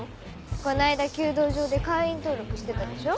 この間弓道場で会員登録してたでしょ。